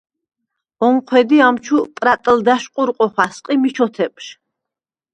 ონჴვედ ი ამეჩუ პრატჷლდა̈შ ყურყვ ოხა̈სყ ი მი ჩოთეპჟ.